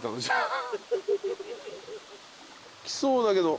きそうだけど。